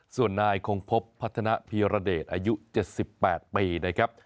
ส่วนนายคงพบพัฒนาพีรเดชอายุ๗๘ปีนะครับ